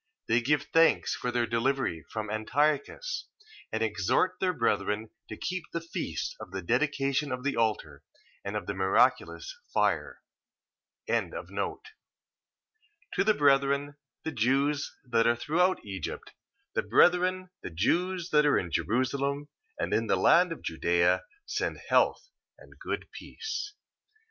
They give thanks for their delivery from Antiochus: and exhort their brethren to keep the feast of the dedication of the altar, and of the miraculous fire. 1:1. To the brethren, the Jews that are throughout Egypt; the brethren, the Jews that are in Jerusalem, and in the land of Judea, send health and good peace.